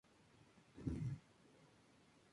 Allí, aprendió la profesión de topógrafo.